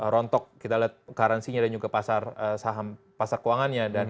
rontok kita lihat karansinya dan juga pasar saham pasar keuangannya